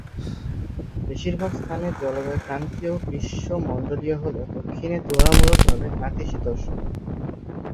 বেশিরভাগ স্থানের জলবায়ু ক্রান্তীয় গ্রীষ্মমন্ডলীয় হলেও দক্ষিণে তুলনামূলকভাবে নাতিশীতোষ্ণ।